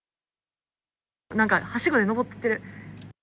なんかはしごで上っていってる。